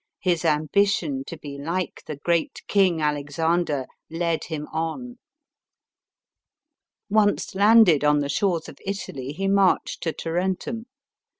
His ambition to be like the great king, Alexander, led him on. Once landed on the shores of Italy, he marched to Tarentum.